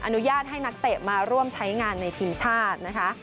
อนุญาตให้นักเตะมาร่วมใช้งานในทีมชาตินะคะ